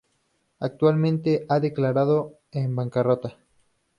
Actualmente, ha declarado la bancarrota.